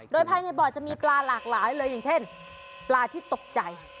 โดยภายในบ่อจะมีปลาหลากหลายเลยอย่างเช่นปลาที่ตกใจ